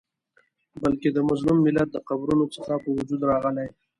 بلکي د مظلوم ملت د قبرونو څخه په وجود راغلی